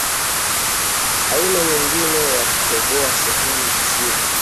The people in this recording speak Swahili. aina nyingine ni Kutoboa sehemu za siri